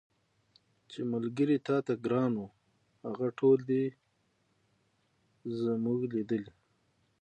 چي ملګري تاته ګران وه هغه ټول دي زمولېدلي